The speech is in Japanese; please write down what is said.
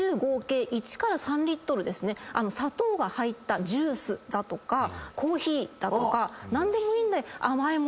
砂糖が入ったジュースだとかコーヒーだとか何でもいいので甘い物